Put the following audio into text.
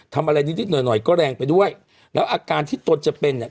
อะไรนิดนิดหน่อยหน่อยก็แรงไปด้วยแล้วอาการที่ตนจะเป็นเนี่ย